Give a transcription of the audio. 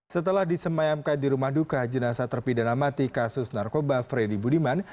setelah disemayamkan di rumah duka jenazah terpidana mati kasus narkoba freddy budiman